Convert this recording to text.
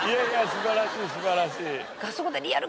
素晴らしい素晴らしい。